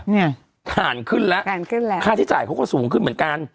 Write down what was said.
เนี่ยฐานขึ้นแล้วถ่านขึ้นแล้วค่าใช้จ่ายเขาก็สูงขึ้นเหมือนกัน